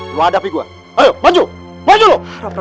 lu ada pergi gua ayo maju maju lu